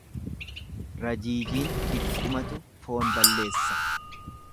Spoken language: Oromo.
Rajiijiin diqqumatu foon balleessa.